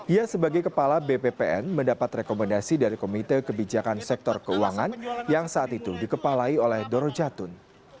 ia sebagai kepala bppn mendapat rekomendasi dari komite kebijakan sektor keuangan yang saat itu dikepalai oleh doro jatun